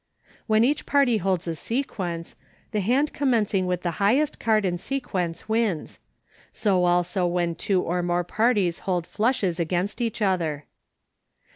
When each party holds a sequence, the hand commencing with the highest card in sequence wins; so also when two or more parties hold flushes against each other.